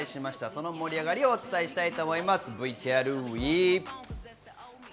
その盛り上がりをお伝えします。